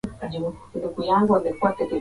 Macho ya mtoto yule ni mekundu.